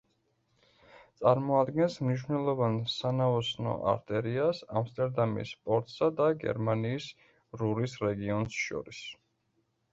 წარმოადგენს მნიშვნელოვან სანაოსნო არტერიას ამსტერდამის პორტსა და გერმანიის რურის რეგიონს შორის.